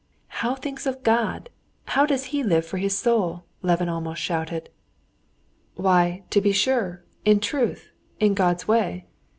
"How thinks of God? How does he live for his soul?" Levin almost shouted. "Why, to be sure, in truth, in God's way.